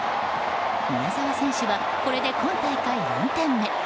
宮澤選手はこれで今大会４点目。